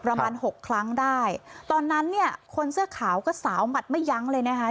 หกครั้งได้ตอนนั้นเนี่ยคนเสื้อขาวก็สาวหมัดไม่ยั้งเลยนะคะ